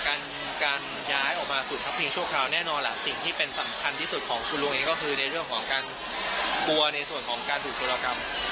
การการย้ายออกมาศูนย์พักพิงชั่วคราวแน่นอนล่ะสิ่งที่เป็นสำคัญที่สุดของคุณลุงเองก็คือในเรื่องของการกลัวในส่วนของการดูดโทรกรรม